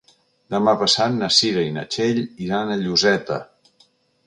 Demà passat na Cira i na Txell iran a Lloseta.